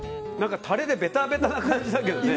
タレでベタベタな感じだけどね。